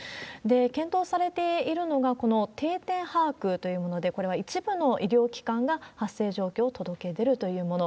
検討されているのが、この定点把握というもので、これは一部の医療機関が発生状況を届け出るというもの。